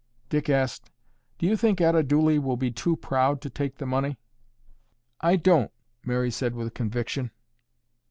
Dick asked, "Do you think Etta Dooley will be too proud to take the money?" "I don't," Mary said with conviction.